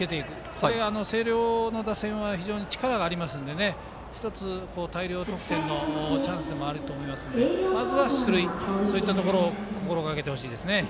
これは星稜の打線は非常に力がありますので１つ大量得点のチャンスでもあると思いますのでまず出塁というところを心がけてほしいです。